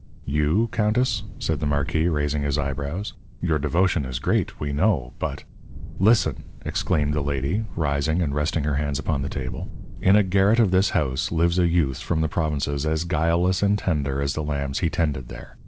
"You, countess?" said the marquis, raising his eyebrows. "Your devotion is great, we know, but " "Listen!" exclaimed the lady, rising and resting her hands upon the table; "in a garret of this house lives a youth from the provinces as guileless and tender as the lambs he tended there.